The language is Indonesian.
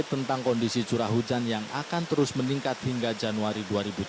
tentang kondisi curah hujan yang akan terus meningkat hingga januari dua ribu tujuh belas